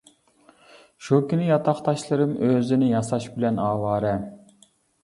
شۇ كۈنى ياتاقداشلىرىم ئۆزىنى ياساش بىلەن ئاۋارە.